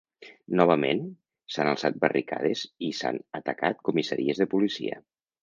Novament, s’han alçat barricades i s’han atacat comissaries de policia.